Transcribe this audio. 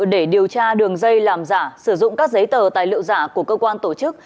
để điều tra đường dây làm giả sử dụng các giấy tờ tài liệu giả của cơ quan tổ chức